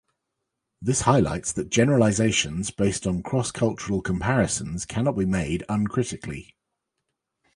This highlights that generalizations based on cross-cultural comparisons cannot be made uncritically.